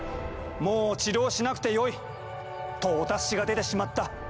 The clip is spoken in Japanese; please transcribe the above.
もう治療しなくてよい！とお達しが出てしまった。